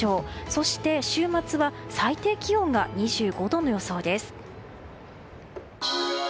そして週末は最低気温が２５度の予想です。